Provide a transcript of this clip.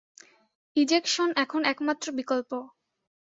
Ejection এখন একমাত্র বিকল্প।